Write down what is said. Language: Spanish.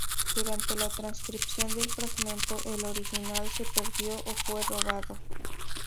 Durante la transcripción del fragmento, el original se perdió o fue robado.